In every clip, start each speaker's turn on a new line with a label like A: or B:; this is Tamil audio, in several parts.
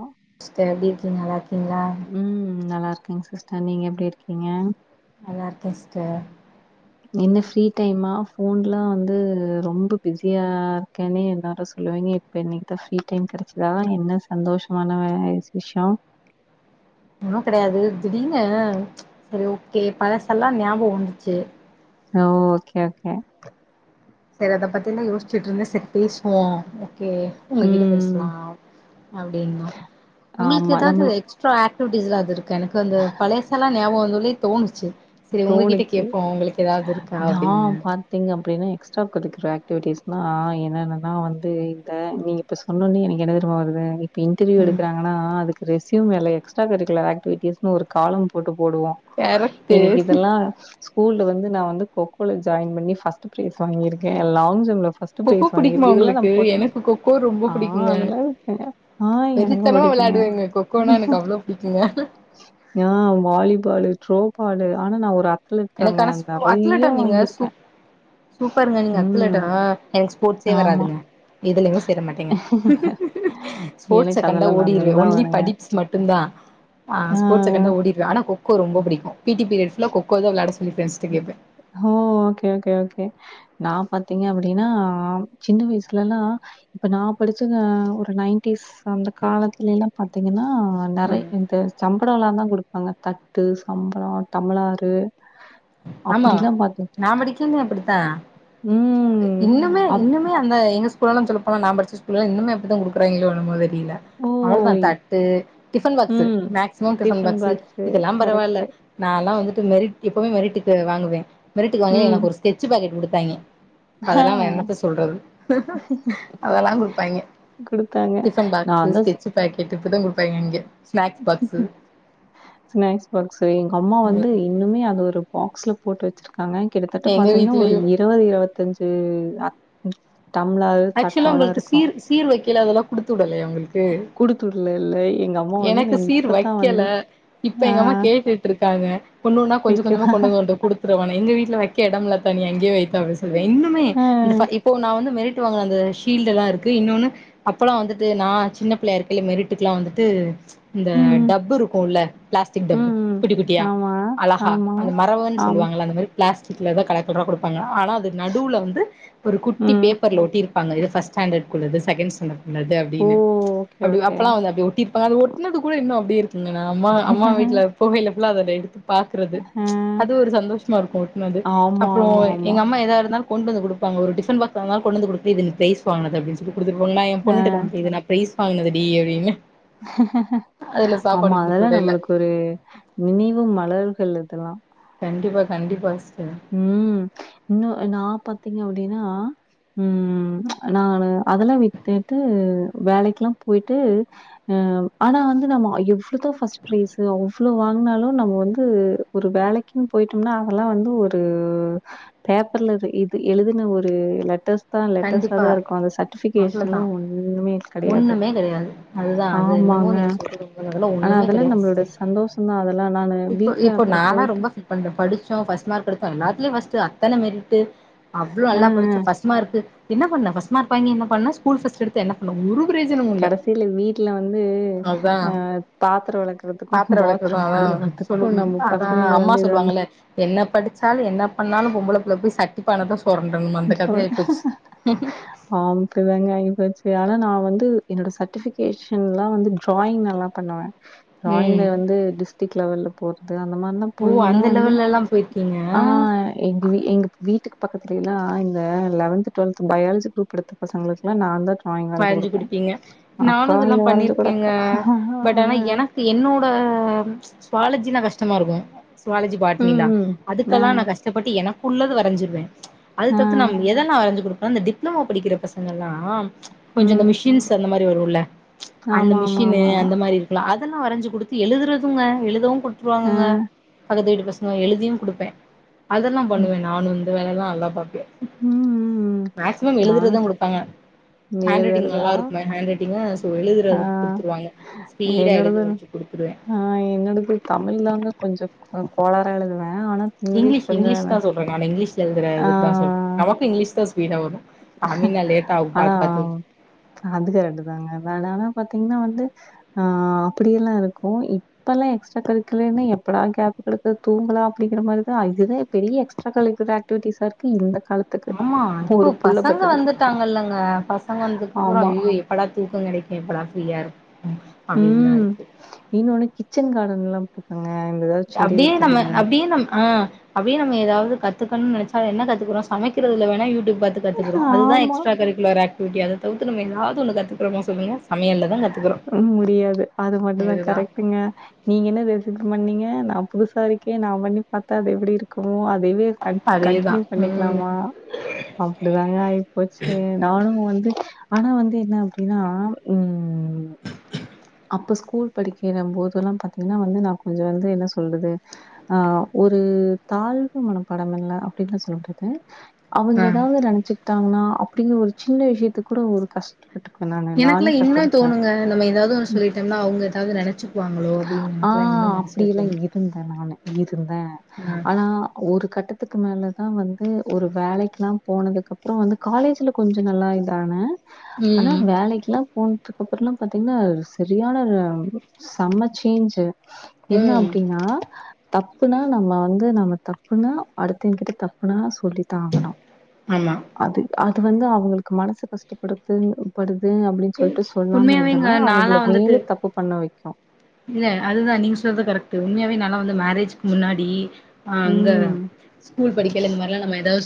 A: ஓ
B: சிஸ்டர் எப்டி இருக்கீங்க நல்லா இருக்கீங்களா
A: உம் நல்லார்க்கேங் சிஸ்டர் நீங்க எப்டி இர்க்கீங்க
B: நல்லார்க்கே ஸ்டர்
A: என்ன ஃப்ரீ டைமா ஃபோன்லா வந்து ரொம்ப பிஸியா இருக்கேன்னே எல்லாரு சொல்லுவீங்கே பெ இன்னிக்குதா ஃப்ரீ டைம் கெடச்சதா என்ன சந்தோஷ்மான சிஷோ
B: ரோ கிடையாது திடீனு சரி ஓகே பழசல்லா ஞாபகோ வந்துச்சு
A: ஹ ஓகே ஓகே
B: சரி அத பத்தினா யோஸ்ச்சுட்ருந்த சர் பேஸ்வோ ஓகே உங்ககிட்ட
A: ம்.
B: பேசலா அப்டின்னு உங்களுக்கு
A: ஆமா.
B: ஏதாவது
A: நம்மளுக்கு
B: வெஜ் சோ ஆக்டிவிட்டஸ் எதாவதிருக்கு எனக்கு அந்த பழசெல்லா ஞாபக வந்தவொன தோனுச்சு செரி உங்ககிட்ட
A: தோணுச்சு.
B: கேட்போ உங்களுக்கு ஏதாவது இருக்கா அப்டின்னு
A: பாத்தீங்க அப்டின்னா எக்ஸ்ட்ரா கரிக்குலர் ஆக்டிவிட்டிஸ்னா என்னென்னா வந்து இந்த நீ ப்ப சொன்னுன்னே எனக்தெரியும்மா வருது இப்ப இடர்வியூ
B: ம்
A: எடுக்காங்கன்னா அதுக்கு ரெசியூ வேலை எக்ஸ்ட்ரா கரிக்குலர் ஆக்டிவிட்டிஸ்ன்னனு ஒரு காலம் போட்டு போடுவோ
B: கெரக்ட்டு
A: அ ஸ்கூல வந்து நா வந்து கொக்கால ஜாயின் பண்ணி ஃபர்ஸ்ட் பிரைஸ் வாங்கியிருக்கே லாங் ஜம்ப்ல் ஃபர்ஸ்ட்
B: கொக்கோ
A: பிரைஸ் வாங்கி
B: புடிக்குமா
A: இதெல்லா நா
B: உங்களுக்கு
A: போட்டேன்னா
B: எனக்கு கொக்கோ ரொம்ப
A: ஆ
B: புடிக்குங்க
A: அதெல்லா இருக்கங்க ஆ எனக்கு
B: வெறித்தனமா
A: புடிக்குங்க
B: வெளாடுவேங்க கொக்கோனா எனக்கு அவ்ளோ புடிக்குங்க
A: ஈயா வாலிபாலு த்ரோபாலு ஆனா நா ஒரு அத் லெட் தாங்க
B: எனக்கு ஆனா அத்லட்டா
A: நெறையா
B: நீங்க
A: வாங்கிருக்கே
B: சூப் சூப்பருங்க நீங்க அத்துலெட்டரா எனக்கு ஸ்போர்ட்ஸே
A: ஆமா.
B: வராதுங்க இதுலமே சேர மாட்டேங்க ஸ்போர்ட்ச
A: எனக்கு
B: கண்டா
A: அதெல்லாம்
B: ஓடிடுவே
A: நல்லா
B: ஒன்லி
A: வருங்க.
B: படிப்ஸ் மட்டுதா ஆ ஸ்போட்ச கண்ட ஓடிருவே ஆனா கொக்கோ ரொம்ப புடிக்கு பீ டி பீரியட்ல்ல ஃபுல்லா கொக்கோ விளாட சொல்லி ஃபிரண்ஸ் கிட்ட கேப்ப
A: ஓ ஓகே ஓகே ஓகே நா பாத்தீங்க அப்டின்னா சின்ன வயசுலல்லா இப்ப நா படிச்சது ஒரு நைன்டீஸ் அந்த காலத்துல எல்லா பாத்தீங்கன்னா
B: ம்
A: நெறையா இந்த சம்பட எல்லா தா குடுப்பாங்க தட்டு சம்படோ டம்ளாறு
B: ஆமா நா படிக்கேன்னு அப்டித்தா
A: ம்.
B: இன்னுமே
A: அப்
B: இன்னுமே அந்த எங்க ஸ்கூல்ல சொல்ல போனா நா படிச்ச ஸ்கூல்லா இன்னுமே அப்டிதா குடுக்காங்களோ எண்ணமோ தெரியல
A: ஓ!
B: அவ்ளோதா தட்டு டிஃபன் பாக்ஸ்ஸு
A: ம்.
B: மேக்சிமம் டிஃபன் பாக்ஸ்ஸு
A: பாக்ஸு
B: இதெல்லா பரவாயில்ல
A: கரெக்ட்டு.
B: நா எல்லா வந்துட்டு மெரிட் எப்பவுமே மெரிட்டுக்கு வாங்குவே மெரிட்டுக்கு வாங்க
A: ம்.
B: எனக்கு ஒரு ஸ்கெட்சு பாக்கெட் குடுத்தாங்க
A: ஆ
B: அதெல்லா நா என்னத்த சொல்றது அதெல்லா குடுப்பாங்க
A: குடுத்தாங்க நா தா
B: பேக்கெட் இப்பதா குடுப்பாங்க அங்க ஸ்நாக்ஸ் பாக்ஸ்ஸு
A: ஸ்நாக்ஸ் பாக்ஸ்ஸு எங்க அம்மா வந்து இன்னுமே அது ஒரு பாக்ஸ்ல போட்டு வச்சிருக் காங்க கிட்டத்தட்ட
B: எங்க
A: பாத்தீங்கன்னா ஒரு
B: வீட்லயு
A: இருபது இருபத்தஞ்சு ஆ டம்ளார்
B: ஆக்சுவலா
A: தட்டோட
B: உங்களுக்கு
A: இருக்கு
B: சீர் சீர் வைக்கல அதெல்லா குடுத்து விடலையா உங்களுக்கு
A: குடு தூர்ல இல்லை எங்க அம்மா வந்து
B: எனக்கு
A: நீங்க
B: சீர்
A: இப்பத்தா
B: வைக்கல
A: வந்து
B: இப்ப
A: ஆ
B: எங்க அம்மா கேட்டுட்டிருக்காங்க ஒண்னொன்னா கொஞ்ச கொஞ்சமா
A: வைக்கவா
B: கொண்டுவந்து கொடுத்துருவான்னு எங்க வீட்டுல வைக்க எடமில்ல பா நீ அங்கே வை பா அப்டி சொல்வே இன்னமே
A: ஆ
B: அந்த ஃபிர இப்போ நா வந்து மெரிட் டுல வாங்குன ஷீல்டு எல்லா இருக்கு இன்னொன்னு அப்பல்லா வந்துட்டு நா சின்ன பிள்ளையா இருக்கல மெரிட்டுக்கல வந்துட்டு இந்த
A: ம்
B: டப்பு இருக்குல பிளாஸ்டிக் டப்பு
A: ம்
B: குட்டி குட்டியா
A: ஆமா
B: அழகா
A: ஆமா
B: அந்த மறவுன்னு
A: ஆம்
B: சொல்லுவாங்களா அந்த மாரி பிளாஸ்டிக்லவ கலர்கலரா கொடுப்பாங்க ஆனா அது நடுவுல வந்து ஒரு குட்டி
A: ம்
B: பே ப்பர்ல ஒட்டிருப்பாங்க இது ஃபிரஸ்ட் ஸ்டாண்டர்டுகுள்ளது செகன்ட் ஸ்டாண்டர்டுகுள்ளது
A: ஓ
B: அப்டீன்னு
A: ஓகே
B: அ
A: ஓகே
B: அப்பல்லா அப்டி ஒட்டி அது ஒட்டுனது கூட இன்னு அப்டியே இருக்குங்க நா அம்மா அம்மா வீட்டுல போகைல ஃபுல்லா அது அத எடுத்து பாக்குறது
A: ஆ
B: ச்சு அது ஒரு சந்தோஷமா இருக்கு ஒட்டுனது
A: ஆமா
B: அப்புறோ
A: ஆமா ஆமா
B: எங்க அம்மா எதா இருந்தாலு கொண்டு வந்து குடுப்பங்க ஒரு டிபன் பாக்ஸ் வாங்குனாலு கொண்டு வந்து குடுத்து இது நீ பிரைஸ் வாங்னது அப்டின்னு சொல்லி குடுத்துட்டு போய் நா ஏன்
A: ஆ
B: பொண்ணுட்ட காம்பே இது நா பிரைஸ் வாங்கினது டி அப்டின்னு அதுல
A: ஆமா
B: சாப்பாடு குடுத்து
A: அதெல்லா
B: விடையில
A: நம்மளுக்கு ஒரு நினைவு மலர்கள் அதெல்லா
B: கண்டிப்பா கண்டிப்பா சிஸ்டர்
A: ம் இன்னு நா பாத்தீங்க அப்டின்னா ம் நா அது அதெல்லா வித்துட்டு வேலைக்கெல்லா போயிட்டு ம் ஆனா வந்து நம்ம எவ்ளதா ஃபர்ஸ்ட் ப்ரைஸு அவ்ளோ வாங்னாலு நம்ம வந்து ஒரு வேலைக்குன் போயிட்டோம்னா அதெல்லா வந்து ஒரு உ பேப்பர்ல இது எழுதின ஒரு லெட்டர்ஸ் லெட்டர்ஸ்ல
B: கண்டிப்பா
A: தா இருக்கு அந்த சர்டிபிகேஷ்னு ஒன்னுமே கெடைக்
B: ஒன்னுமே கெடையாது அதுதா அது என்னமோ
A: ஆமாங்க
B: நீங்க சொல்றது உண்மதா அதெல்லா
A: ஆ னா
B: ஒண்ணுமே
A: அதெல்லா
B: கெடையாது
A: நம்மளோட
B: சிஸ்டர்
A: சந்தோஷ நா அதெல்லா நா வீட்ல அப்ற போயிட்டு
B: கொஞ்சோ படிச்சோ ஃபர்ஸ்ட் மார்க் எடுத்தோ எல்லாத்தலயு ஃபர்ஸ்டு அத்தன மெரிட்டு அவ்ளோ
A: ஆ,
B: நல்லா
A: ஆ.
B: படிச்சோ ஃபர்ஸ்ட் மார்க்கு என்ன பண்ண ஃபர்ஸ்ட் மார்க் வாங்கி என்ன பண்ண ஸ்கூல் ஃபர்ஸ்ட் எடுத்து என்ன பண்ண ஒரு பிரயோஜனமு இல்ல
A: கடைசில வீட்ல வந்து
B: அதா
A: அ பாத்ர விளக்குறதுக்கு
B: பாத்திர வெளக்குறதா
A: பாத்ரூம்
B: அதா
A: கழுவுறதுக்
B: அம்மா சொல்லுவாங்கல என்ன படிச்சாலு என்ன பண்ணாலு பொம்பள புள்ள போய் சட்டி பானதா சு போறண்ட அந்த கத ஆய்போச்சு
A: ஆ அப்டி தாங்க ஆய்போச்சு ஆனா நா வந்து என்னோட சர்டிஃபிகேஷன்லா வந்து டிராயிங் நல்லா பண்ணுவ டிராயிங்ல
B: ம்
A: வந்து டிஸ்டிக் லெவல்ல போறது அந்த மாரில்லா
B: ஓ
A: போய்லா
B: அந்த
A: வந்து
B: லெவல்ல எல்லா போயிர்கீங்க
A: ஆ எங்க எங்க வீட்டுக்கு பக்கத்துலல்லா இந்த லெவன்த் டு்வெல்த் பயாலஜி குரூப் எடுத்து பசங்களுக்குலா நா தா டிராயிங் வரஞ்சு
B: வரைஞ்சு
A: குடுப்ப
B: குடுப்பீங்க நானு
A: அக்கா
B: இதெல்லா
A: நீங்க வரைஞ்சு குடுக்கா அ
B: இப்ப என்னோட சுவாலஜினா கஷ்டமாருக்கு சுவாலஜி
A: ம்
B: பாட்டினிலா
A: ம் ஆ
B: அதுக்கெல்லா நா கஷ்டப்பட்டு எனக்குள்ளது வரஞ்சிருவ அது
A: ஆ
B: தவிர்த்து நம்ம எதனா வரஞ்சு குடுப்பே இந்த டிப்ளமோ படிக்கிற பசங்கெல்லா கொஞ்சோ இந்த
A: ம்
B: மிஷின்ஸ் அந்த மாரி வரும்ல அந்த
A: ஆமா ஆமா
B: மிஷின்னு
A: ஆமா ஆமா
B: அந்த மாரி இரு அதெல்லா வரஞ்சு குடுத்து எழுதுறதுங்க எழுதவு
A: ஆ
B: குடுத்துருவாங்கங்க பக்கத்து வீட்டு பசங்க எழுதியு குடுப்பே அதெல்லா
A: ம்
B: பண்ணுவே நானு இந்த வேலைல்லா நல்லா பாப்பே
A: ம் ம்
B: மேக்சிமம்
A: நானு
B: எழுதுறதா குடுப்பாங்க ஹேண்ட் ரைட்டிங்
A: எழுதுறதா?
B: நல்லாருக்கு எ ஹேன்ட் ரைட் பாத்திங்னா சோ
A: ஆ
B: எழுதுறது குடுத்துருவாங்க ஸ்பீடா எழுது
A: என்னோடது
B: வச்சு குடுத்ருவே
A: ஆ என்னடது தமிழ் தாங்க கொஞ்சோ கொ கோளாரா எழுதுவே ஆனா
B: இங்கிலீஷ்
A: கொஞ்சம்
B: இங்கிலீஷ் தா
A: எனக்கு,
B: சொல்ற நா இங்கிலீஷ்ல
A: ஆ
B: எழுதுறது தா சொல்ற நமக்கு இங்கலீஷ் தா ஸ்பீடா வரு தமிழ் நா லேட்டாகு பாத் பாத்து
A: அதுக ரெண்டு தாங்க வேணான்னா பாத்தீங்கன்னா வந்து ஆ அப்படியெல்லா இருக்கு இப்பெல்லா எக்ஸ்ட்ரா கரிக்குலர்னு எப்படா கேப் கிடைக்கு தூங்களா அப்படிங்கிற மாரிதா இதுதா பெரிய எக்ஸ்ட்ரா கரிக்குலர் ஆக்ட்டிவிட்டிஸா இருக்கு இந்த காலத்
B: ஆமா இப்போ பசங்க வந்துட்டாங்கல்லங்க பசங்க வந்தக்கப்றம்
A: ஆமா.
B: ஐயோ எப்படா தூக்க கெடைக்கு எப்படா ஃப்ரீயா இருக்கு அப்டின்னுதா
A: ம்.
B: இருக்கு
A: இன்னொன்னு கிச்சன் கார்டன்லா க்குங்க இங்கவே
B: அப்டியே நம்ம அப்டியே நம் ஆ அப்டியே நம்ம எதாவது கத்துக்கணுன் நெனச்சா என்ன கத்துக்குறோ சமைக்கிறதுல வேணா யூடியூப் பாத்து கத்துக்கிறோ அதுதா
A: ஆமா.
B: எஸ்ட்ரா கரிக்குலர் ஆக்டிவிட்டி அத தவுத்து நம்ம எதாது ஒன்னு கத்துக்குறோமா சொல்லுங்க சமையல்ல தா கத்துக்குறோ
A: ம் முடியாது அது மட்டு தா
B: அதுதா
A: கரெக்ட்டுங்க நீங்க என்ன ரெசிப்பி பண்ணீங்க நா புதுசா இருக்கே நா பண்ணி பாத்தா அது எப்டி இருக் கு அதயே கன்
B: அதேதா
A: கன்ட்னியூ
B: ம்
A: பண்ணிக்கலாமா அப்டிதாங்க ஆய் போச்சு நானு வந்து ஆனா வந்து என்ன அப்டின்னா ம் அப்ப ஸ்கூல் படிக்கிற போதெல்லா பாத்தீங்கனா வந்து நா கொஞ்சோ வந்து என்ன சொல்றது ஆ ஒரு தாழ்வு மனப்பாடமில்ல அப்டீனு சொல்ல முடியாது அவங்க
B: ஆ
A: எதாவது நெனச்சுக்கிட்டாங்கனா அப்டீங்கிற ஒரு சின்ன விஷயத்துக் கூட ஒரு கஷ்டப்பட்டுக்குவ நானு நானே
B: இன்னோ
A: கஷ்டப்பட்டுக்குவேன்.
B: தோணுங்க நம்ம எதாவது ஒன் சொல்லிட்டோம்னா அவங்க எதாவது நெனச்சுக்குவாங்களோ அப்டீன் நமக்ளா இன்னு மனசுல
A: இப்டீல்லா
B: தோணு
A: இருந்தே நானு இருந்தே
B: ம்
A: ஆனா ஒரு கட்டத்துக்கு மேலதா வந்து ஒரு வேலைக்லா போனதுக் அப்றோ வந்து காலேஜ்ல கொஞ்சொ நல்லா இதான ஆனா
B: ம்
A: வேலைக்லா போனதுக்கப்றோலா பாத்தீங்கனா செரியான ல சம சேஞ்சு என்ன
B: ம்
A: அப்டீனா தப்புனா நம்ம வந்து நம்ம தப்புனா அடுத்தவங்கிட்ட தப்புனா சொல்லி தாகனோ
B: ஆமா
A: அது அது வந்து அவுங்குளுக்கு மனசு கஷ்டப்படுது படுது அப்டீ னுட்டு சொல்லாம
B: உண்மையாவேங்க
A: இருந்தனா
B: நாலா
A: அவங்கள
B: வந்துட்டு
A: மேலே தப்பு பண்ண வெக்கோ
B: இல்ல அதுதா நீங்க சொல்றது கரெக்ட் உண்மயாவே நா லா வந்து மேரேஜூக் முன்னாடி ஆ அங்க
A: ம்.
B: ஸ்கூல் படிக்கைல இந்த மாரிலா நம்ம எதாவது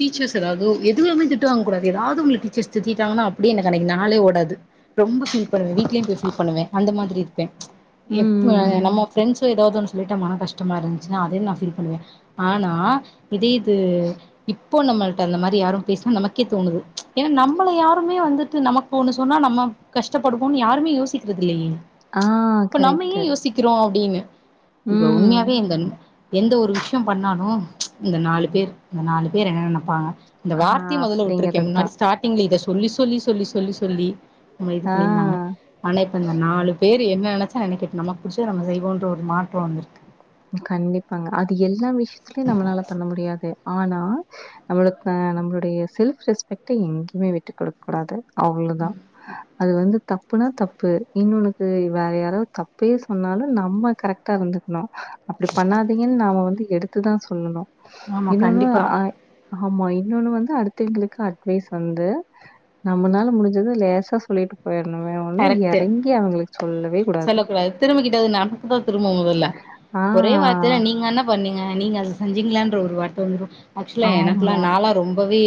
B: டீச்சர்ஸ் எதாவது எதுவுமே திட்டு வாங்க கூடாது எதாவது ஒன்ல டீச்சர்ஸ் திட்டிடாங்கனா அப்டியே எனக்கு அன்னைக்கு நாளே ஓடாது ரொம்போ ஃபீல் பண்ணுவே வீட்லயு போய் ஃபீல் பண்ணுவே அந்த மாதிரி இருப்ப
A: ம்.
B: எப் அ
A: ம்.
B: நம்ம ஃப்ரெண்ட்ஸு எதாவது ஒன் சொல்லிட்ட மன கஷ்டமா இருந்துச்சுனா அதயு நா ஃபீல் பண்ணுவே ஆனா இதே இது இப் போ நம்மள்ட்ட அந்த மாரி யாரும் பேசினா நமக்கே தோணுது ஏனா நம்மள யாருமே வந்துட்டு நமக்கு ஒன்னு சொன்னா நம்ம கஷ்டப்படுவோனு யாருமே யோசிக்றது இல்லையே
A: ஆ
B: இப்ப நம்ம
A: கரெக்ட்டு.
B: ஏ யோசிக்கிறோ அப்டீனு இப்ப
A: ம்.
B: உண்மையாவே இந்தன் எந்த ஒரு விஷ்யோ பண்ணாலு இந்த நாலு பேர் இந்த நாலு பேர் என்ன நெனப்பாங்க இந்த
A: ஆஹா
B: வார்த்தைய மொதல்ல வுட்ருக்கே
A: அப்படிங்கிறது
B: முன்னாடி
A: தான்.
B: ஸ்டார் ட்டிங்ல இத சொல்லி சொல்லி சொல்லி சொல்லி சொல்லி நம்மள இது
A: ஆ
B: பண்ணியிருந்தாங்க ஆனா இப்ப இந்த நாலு பேரு என்ன நெனச்சா நெனைக்கட்டோ நமக்கு புடிச்சத நம்ம செய்வோன்ற ஒரு மாற்றோ வந்துருக்கு
A: கண்டிப்பாங்க அது எல்லா விஷயத்லயு நம்மளால பண்ண முடியாது ஆனா நமளுக் நம்மளோடைய செல்ஃப் ரெஸ்பெக்ட எங்கேயுமே விட்டு குடுக் ககூடாது அவ்ளதா அது வந்து தப்புனா தப் ப்பு இன்னோனன்னுக்கு வேற யாராவது தப்பே சொன்னாலு நம்ம கரெக்ட்டா இருந்துக்கணோ அப்டி பண்ணாதீங்கனு நாம வந்து எடுத்துதா சொல்லணோ
B: ஆமா
A: இன்னோன்னு
B: கண்டிப்பா
A: அ ஆமா இன்னோன்னு வந்து அடுத்தவைங்குளுக்கு அட்வைஸ் வந்து நம்மளால முடிஞ்சத லேசா சொல்லிட்டு போயிடணுங்க வேனுனா
B: கரெக்ட்டு
A: எறங்கி அவுங்குளுக் சொல்லவே கூடாது
B: திரும்பிகிட்டது நமக்குதா திரும்பு மொதல்ல ஒரே
A: ஆ.
B: வார்த்தைல நீங்க என்ன பண்ணீங்க நீங்க அது செஞ்சீங்களான்ற ஒரு வார்த்த வந்துடோ ஆக்சுவலா எனக்குலா
A: ஆமா.
B: நாலா ரொம்பவே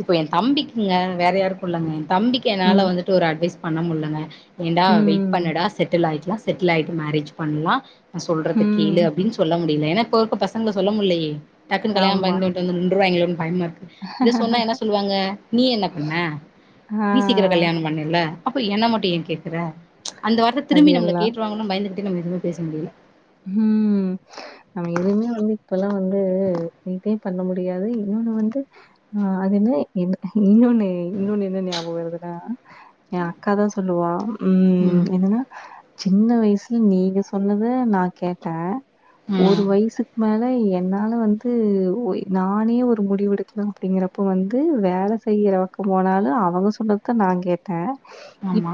B: இப்போ எ தம்பிக்குங்க வேற யாருக்கோ இல்லைங்க எ தம்பிக்கு என்னால
A: ம்.
B: வந்துட்டு ஒரு அட்வைஸ் பண்ண முட்லங்க ஏன்டா வெயிட்
A: ம்.
B: பண்ணுடா செட்டில் ஆய்க்கலா செட்டில் ஆயிட்டு மேரேஜ் பண்லா நா சொல்றத
A: ம்.
B: கேளு அப்டீன் சொ ல்ல முடியுல ஏனா இப்போ இருக்க பசங்கல சொல்ல முட்லயே டக்குனு கல்யாணோ
A: ஆமா.
B: பண்ட்டு வந்து நின்றுவாய்ங்களோனு பயமா இருக்கு இத சொன்னா என்ன சொல்லுவாங்க நீ என்ன பண்ண
A: ஆ
B: நீ சீக்கிரோ கல்யாணோ பண்ணேல அப்ப என்ன மட்டு ஏ கேக்குற அந்த வார்த்த
A: அது
B: திரும்பி நம்மள
A: எல்லாம்.
B: கேட்டுருவாங்களோனு பயந்துகிட்டு நம்ம எதுவுமே பேச முடியுல
A: ம் நம்ம எதுவுமே வந்து இப்பல்லா வந்து நீட்டே பண்ண முடியாது இன்னோன்னு வந்து ஆ அதுன இன்னோ இன்னோன்னு என்ன ஞாபகோ வருதுன்னா எ அக்காதா சொல்லுவா ம் என்னனா சின்ன வயசுல நீங்க சொன்னத நா கேட்ட
B: ம்
A: ஒரு வயசுக் மேல தை என்னால வந்து ஒ நானே ஒரு முடிவு எடுக்கணு அப்பிடிங்கிறப்போ வந்து வேல செய்யிற ங்க போனாலு அவங்க சொன்னதத்தா நா கேட்டே இப்
B: ஆமா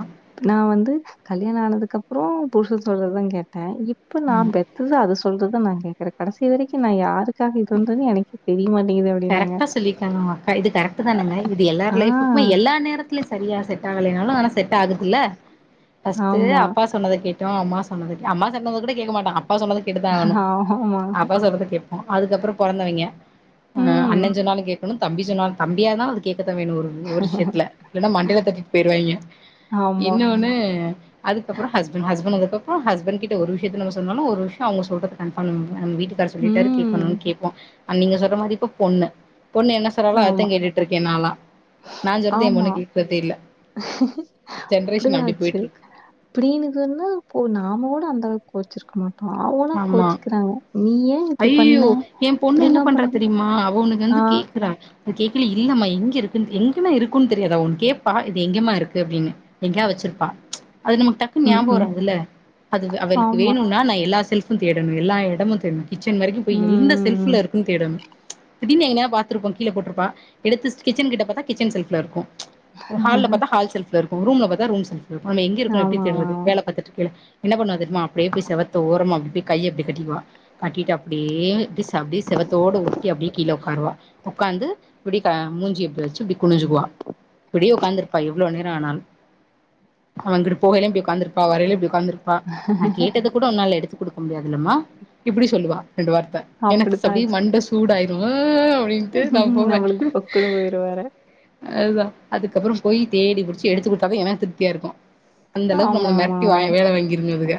A: நா வந்து கல்யாண ஆனதுக்கப்பறோ புருஷன் சொல்றது தா கேட்டே இப் இப்ப நா
B: ஆமா
A: பெத்தது அது சொல்றத தா நா கேக்குறே கடைசி வரைக்கு நா யாருக்காக இருகின்றதே எனக்கே தெரியமாட் நீ இத வி
B: கரெக்டா சொல்லிர்க்காங்க உங்க அக்கா இது கரெக்ட் தானேங்க இது எல்லார்
A: ஆ,
B: லைஃபக்குமே எல்லா நேரத் துலயு சரியா செட் ஆகலேன்னாலு ஆனா செட் ஆகுதுல்ல ஃபஸ்ட்டு
A: ஆமா,
B: அப்பா சொன் சொன்னதக் கேட்டோ அம்மா சொன்னதக் கே அம்மா சொன்னத கூட கேக்க மாட்டோ அப்பா சொன்னது கேட்டு தா ஆகணு
A: ஆமா,
B: அப்பா சொல்றது கேப்போ அதுக்கப்பறோ பொறந்தவங்கே ஆ
A: ம்,
B: அண்ணன் சொன்னாலு கேக்கணு தம்பி சொன்னாலு தம்பியா இருந்தாலு அது கேக்கதா வேணு ஒரு ஒரு விஷயத்துலே இல்லன்னா மண்டைலத் தட்டிட்டு போயிருவாய்ங்க
A: ஆமா,
B: இன்னு ஒன்னு அதுக்கப்பறோ ஹஸ்பண்ட் ஹஸ்பண்ட் வந்ததுக்கப்பறோ ஹஸ்பண்ட் கிட்ட ஒரு விஷயத்த நம்ம சொன்னாலு ஒரு விஷய அவங்க சொல்றது கன்ஃபார்ம் [unintelligible] நம்ம வீட்டு க்கார் சொல்லிட்டாரு கேக்கணும்னு
A: ம்,
B: கேப்போ அன் நீங்க சொல்ற மாரி இப்ப பொண்ணு பொண்ணு என்ன சொன் த்நாளா அதத்தே
A: ஆமா,
B: கேட்டுட்டு இருக்கே நான்லா நா சொல்றத ஏ பொண்ணு கேக்குறதே இல்லே
A: அப்டிதா ஆச்சு
B: இருக்கு
A: இப்பிடின்னு இது வன்னா போ நாம கூட அந்த அளவுக்கு கோச்சிருக்கமாட்டோ ஆ ஊன்னா
B: ஆமா
A: கோச்சிக்கிறாங்க நீ ஏ இப்பிடி
B: ஐய்யய்யோ
A: பண்ணே
B: என்
A: இப்பிடில்லா பண்ணக் கூடாது ஆ
B: ருக்குதா அது கேட்கய்ல இல்லம்மா எங்க இருக்குன்னு எங்குன்னா இருக்குன்னு தெரியாதா ஒன் கேப்பா இது எங்கேம்மா இருக்கு அப்பிடின்னு எங்கேயாது வச்சிருப்பா அது நம்ம டக் குன்னு
A: ம்,
B: ஞாபக
A: ம்.
B: வராதுல்ல அது வே அவளுக்கு
A: ஆமா,
B: வேணுனா நா எல்லா செல்ஃபு தேடணு எல்லா எடமு தேடணு கிச்சன் வரேக்கு
A: ம்,
B: போய் எந்த
A: ம்,
B: செல்ஃபுல
A: ம்.
B: இருக்குன்னு தேடணு திடீர்ன்னு எங்கனயாது பாத்திருப்போ கீழ போட்டுருப்பா எடுத்து செ கிச்சன் கிட்ட பாத்தா கிச்சன் செல்ஃப்ல இருக்கு ஹால்ல பாத்தா ஹால் செல்ஃப்ல இருக்கு ரூம்ல பாத்தா ரூம் செல்ஃப்ல இருக்கு நம்ம எங்க இருக்குனு எப்புடி
A: ஆமா, ஆமா,
B: தேடுறது
A: ஆமா.
B: வேல பாத்துட்டு இருக்கைலே என்ன பண்ணுவா தெரியுமா அப்படியே போய் செவத்து ஓரமா அப்டி கை அப்பிடி கட்டிக்குவா கட்டிட்டு அப்டியே அப்டி அப்டியே செவத்தோட ஒட்டி அப்டியே கீழே உக்காருவா உக்காந்து இப்பிடி க மூஞ்சிய இப்பிடி வச்சு இப்பிடி குனிஞ்சுக்குவா இப்டியே உக்காந்துருப்பா எவ்ளோ நேர ஆனாலு அவ அங்கிட்டு போகையிலயு இப்டி உக்காந்துருப்பா வரேலேயு இப்டி உக்காந்துருப் ப்பா நா கேட்டதக் கூட ஒன்னால எடுத்து குடுக்க முடியாதுல்லம்மா இப்டி சொல்லுவா ரெண்டு வார்த்த எனக்கு ச
A: அப்டிதான் ஆச்சு.
B: அப்டி மண்ட சூடாயிரு ம் ம் அப்டின்ட்டு நா போவே
A: நம்மளுக்கு பொக்குனு போயிருவாரு.
B: அதுதா அதுக்கப்பறோ போயி தேடி புடிச்சு எடுத்து குடுத்தா தா எனக்கு திருப்தியா இருக்கு அந்த அளவுக்கு நம்மள மெரட்டி வா வேல வாங்கிருங்க இதுக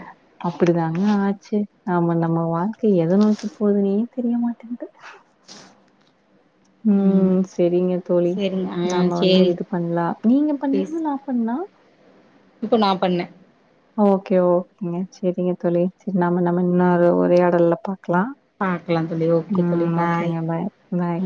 A: அப்டிதாங்க ஆச்சு நம்ம நம்ம வாழ்க்க எத நோக்கி போதுன்னே தெரிய மாட்டேன்து ம் செரிங்க தோழி
B: சேரிங்க ஆ
A: நாம வந்து
B: சேரி
A: இது பண்ணலா நீங்க பண்ணீங்களா நா பண்ணேனா
B: இப்ப நா பண்ணே
A: ஓகே ஓகேங்க செரிங்க தோழி செரி நாம நம்ம இன்னொரு உரயாடல்ல பாக் க்கலா
B: பாக்கலா தோழி ஓகே தோழி
A: ம் ஓகேங்க பாய் பாய்